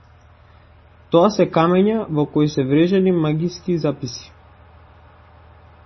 Тоа се камења во кои се врежани магиски записи.